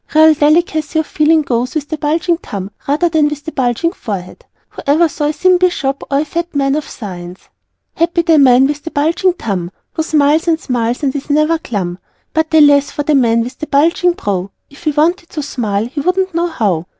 Real delicacy of feeling goes with the bulging tum rather than with the bulging forehead; who ever saw a thin Bishop or a fat man of science! Happy the man with the bulging Tum, _Who smiles and smiles and is never glum! _ But alas for the man with the bulging brow, _If he wanted to smile, he wouldn't know how!